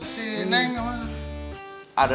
sini itu mah kaga itu